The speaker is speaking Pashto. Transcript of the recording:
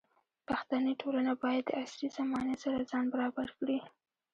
پښتني ټولنه باید د عصري زمانې سره ځان برابر کړي.